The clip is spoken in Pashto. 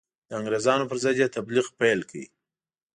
د انګرېزانو پر ضد یې تبلیغ پیل کړ.